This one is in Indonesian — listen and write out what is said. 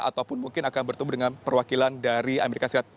ataupun mungkin akan bertemu dengan perwakilan dari as